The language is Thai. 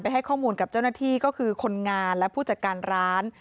ให้ข้อมูลกับเจ้าหน้าที่ก็คือคนงานและผู้จัดการร้าน